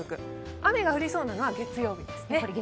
雨が降りそうなのは月曜日です。